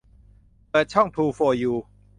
เปิดช่องทรูโฟร์ยู